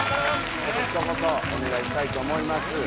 ちょっと一言お願いしたいと思います